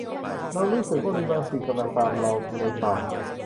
เรารู้สึกว่ามีบางสิ่งกำลังตามเราในป่า